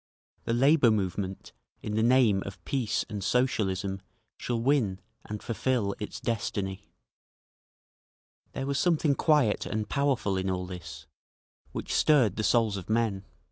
The labour movement, in the name of peace and Socialism, shall win, and fulfil its destiny…." There was something quiet and powerful in all this, which stirred the souls of men.